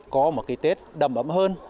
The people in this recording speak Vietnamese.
có một cái tết đầm ấm hơn